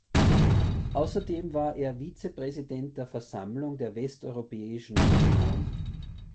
Außerdem war er Vizepräsident der Versammlung der Westeuropäischen Union.